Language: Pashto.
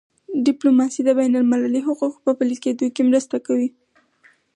ډیپلوماسي د بینالمللي حقوقو په پلي کېدو کي مرسته کوي.